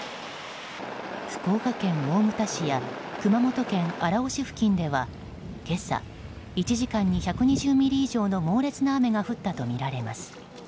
福岡県大牟田市や熊本県荒尾市付近では今朝、１時間に１２０ミリ以上の猛烈な雨が降ったとみられます。